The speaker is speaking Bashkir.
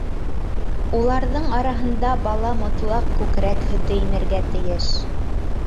Уларҙың араһында бала мотлаҡ күкрәк Һөтө имергә тейеш.